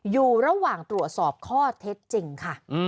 อยู่ระหว่างตรวจสอบข้อเท็จจริงค่ะ